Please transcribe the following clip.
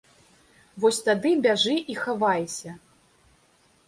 Вось тады бяжы і хавайся.